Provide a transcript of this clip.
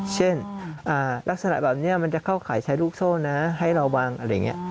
เช่นลักษณะแบบนี้มันจะเข้าขายใช้ลูกโซ่นะให้ระวังอะไรอย่างนี้